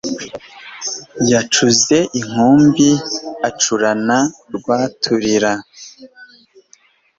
Yacuze inkumbi acurana Rwaturira,